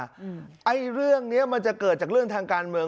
ไอ้เรื่องเนี้ยมันจะเกิดจากเรื่องทางการเมือง